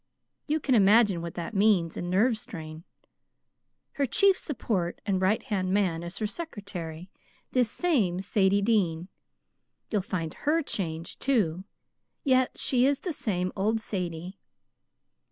You can imagine what that means in nerve strain. Her chief support and right hand man is her secretary, this same Sadie Dean. You'll find HER changed, too, yet she is the same old Sadie.